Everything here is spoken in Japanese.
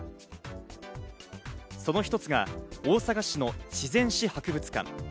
その一つが大阪市の自然史博物館。